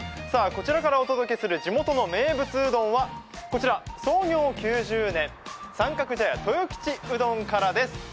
こちらからお届けする地元の名物うどんはこちら、創業９０年三角茶屋豊吉うどんからです。